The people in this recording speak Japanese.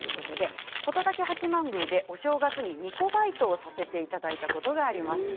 琴崎八幡宮でお正月に、みこさんのバイトをさせていただいたことがあります。